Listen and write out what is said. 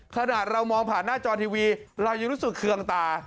ขนาดเรามองผ่านหน้าจอทีวีเรายังรู้สึกเคืองตา